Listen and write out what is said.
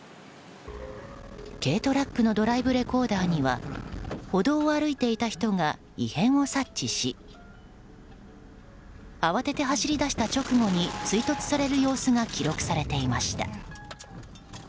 軽トラックのドライブレコーダーには歩道を歩いていた人が異変を察知し慌てて走り出した直後に追突される様子が記録されていました。